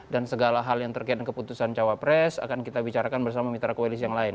dan segala hal yang terkait dengan keputusan cawapres akan kita bicarakan bersama mitra koalisi yang lain